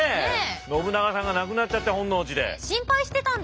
信長さんが亡くなっちゃって本能寺で。